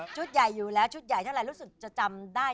ใหญ่อยู่แล้วชุดใหญ่เท่าไรรู้สึกจะจำได้